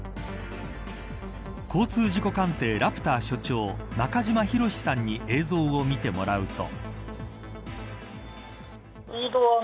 交通事故鑑定ラプター所長中島博史さんに映像を見てもらうと。